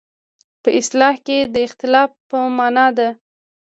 په اصطلاح کې د اختلاف په معنی ده.